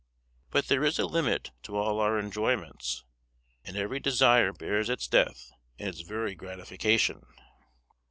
But there is a limit to all our enjoyments, and every desire bears its death in its very gratification.